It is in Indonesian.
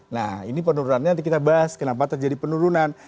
nah ini penurunannya nanti kita bahas kenapa terjadi penurunan